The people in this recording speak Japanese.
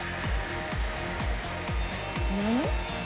うん？